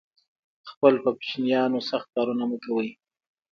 خپل په کوچینیانو سخت کارونه مه کوی